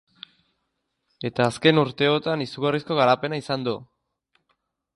Eta azken urteotan izugarrizko garapena izan du.